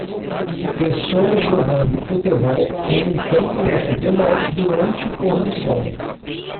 Pessoas jogando futebol em um campo de futebol durante o pôr do sol